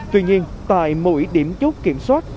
tuy nhiên tại mỗi điểm chốt kiểm soát